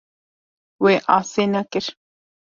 Wê asê nekir.